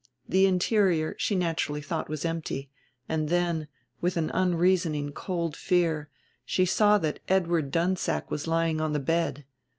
The interior she naturally thought was empty; and then, with an unreasoning cold fear, she saw that Edward Dunsack was lying on the bed.